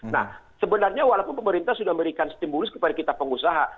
nah sebenarnya walaupun pemerintah sudah memberikan stimulus kepada kita pengusaha